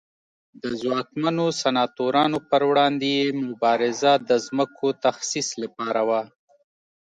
د ځواکمنو سناتورانو پر وړاندې یې مبارزه د ځمکو تخصیص لپاره وه